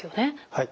はい。